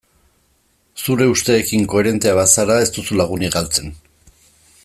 Zure usteekin koherentea bazara ez duzu lagunik galtzen.